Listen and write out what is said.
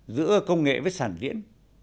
giữa công nghệ với sản diễn